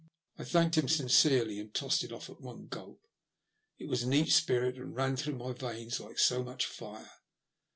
I thanked him sincerely, and tossed it off at one gulp. It was neat spirit, and ran through my veins like so much fire.